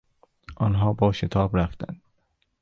آنها با شتاب رفتند.